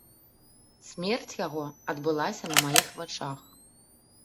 Смерць яго адбылася на маіх вачах.